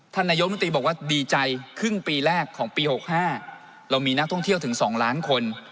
นายกมนตรีบอกว่าดีใจครึ่งปีแรกของปี๖๕เรามีนักท่องเที่ยวถึง๒ล้านคน